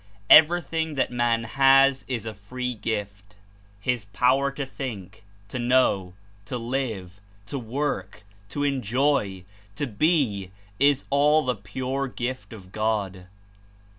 Everything that man has is a free gift, his power to think, to know, to live, to work, to enjoy, to be, is all the pure gift of God.